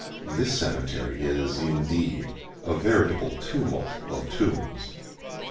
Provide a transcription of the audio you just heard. This cemetery is, indeed, a veritable tumult of tombs.